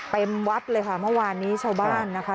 วัดเลยค่ะเมื่อวานนี้ชาวบ้านนะคะ